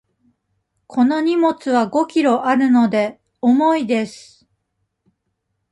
この荷物は五キロあるので、重いです。